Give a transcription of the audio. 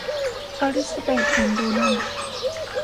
อลิสซาเบธเห็นโดนัล